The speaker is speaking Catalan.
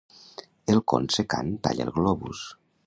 El con secant talla el globus.